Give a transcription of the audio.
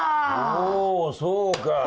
おおそうか。